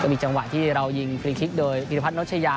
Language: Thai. มีจังหวะที่เรายิงฟรีคลิกโดยวิรพัฒนชยา